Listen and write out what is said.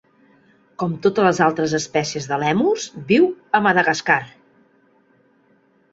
Com totes les altres espècies de lèmurs, viu a Madagascar.